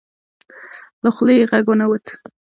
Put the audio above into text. له خولې یې غږ ونه وت.